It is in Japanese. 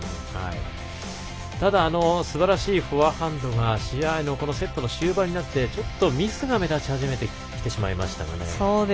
ただ、すばらしいフォアハンドだったんですが試合のセットの終盤になってミスが目立ち始めてきてしまいましたね。